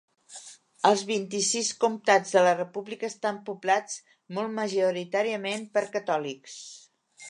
Els vint-i-sis comtats de la República estan poblats molt majoritàriament per catòlics.